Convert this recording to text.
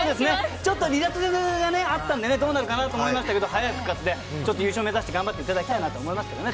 ちょっと離脱があったんでどうなったかなと思いますけど早く勝って優勝目指して頑張っていただきたいと思いますね。